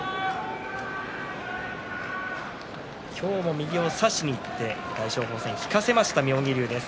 今日も右を差しにいって大翔鵬を引かせました妙義龍です。